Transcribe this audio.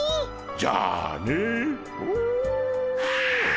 じゃあねモ。